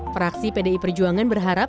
fraksi pdi perjuangan berharap